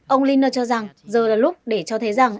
ông linner cho rằng giờ là lúc để cho thấy rằng